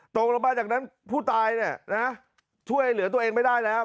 ตกลงมาจากนั้นผู้ตายเนี่ยนะช่วยเหลือตัวเองไม่ได้แล้ว